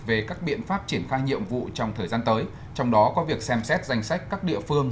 về các biện pháp triển khai nhiệm vụ trong thời gian tới trong đó có việc xem xét danh sách các địa phương